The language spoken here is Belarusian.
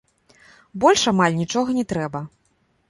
Больш амаль нічога не трэба.